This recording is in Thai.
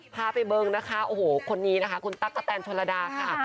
พาไปเบิงนะคะโอ้โหคนนี้นะคะคุณตั๊กกะแตนชนระดาค่ะ